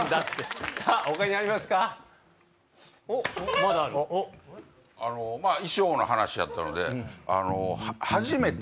まだある？の話やったので。